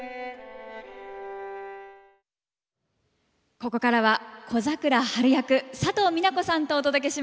ここからは小桜ハル役佐藤未奈子さんとお届けします。